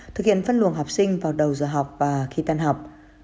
thực hiện phân luồng học sinh vào đầu giờ học và khi tan học